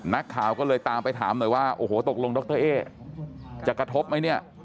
นักข่าวก็เลยตามไปถามหน่อยว่าโอ้โหตกลงดรเอ๊จะกระทบไหมเนี่ย